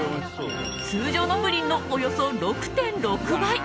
通常のプリンのおよそ６．６倍。